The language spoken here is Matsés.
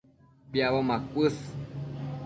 Piacbo macuës